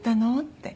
って。